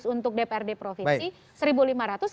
untuk dprd provinsi